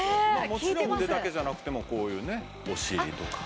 もちろん腕だけじゃなくてもこういうねお尻とか。